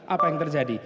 apa yang terjadi